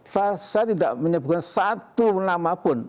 saya tidak menyebutkan satu nama pun